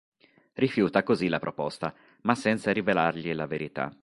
Rifiuta così la proposta, ma senza rivelargli la verità.